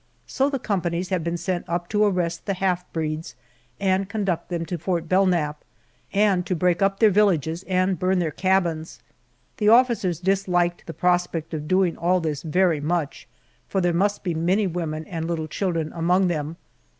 So the companies have been sent up to arrest the half breeds and conduct them to Fort Belknap, and to break up their villages and burn their cabins. The officers disliked the prospect of doing all this very much, for there must be many women and little children among them.